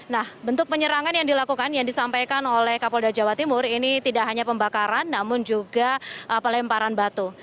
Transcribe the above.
nah bentuk penyerangan yang dilakukan yang disampaikan oleh kapolda jawa timur ini tidak hanya pembakaran namun juga pelemparan batu